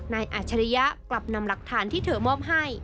อัจฉริยะกลับนำหลักฐานที่เธอมอบให้